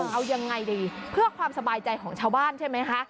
เอายังไงดีเพื่อความสบายใจของชาวบ้านใช่ไหมคะ